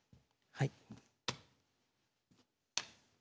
はい。